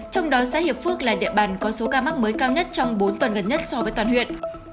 trong đó xã hiệp phước là địa bàn có số ca mắc mới cao nhất trong bốn tuần gần nhất so với toàn huyện